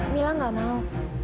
mila enggak mau